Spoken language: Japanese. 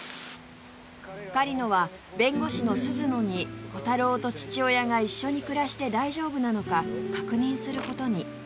狩野は弁護士の鈴野にコタローと父親が一緒に暮らして大丈夫なのか確認する事に